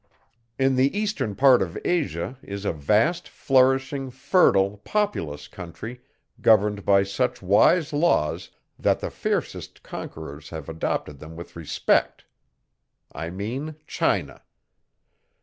In the eastern part of Asia, is a vast, flourishing, fertile, populous country, governed by such wise laws, that the fiercest conquerors have adopted them with respect. I mean China.